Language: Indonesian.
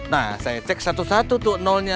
nah saya cek satu satu tuh nolnya